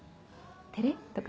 照れとか。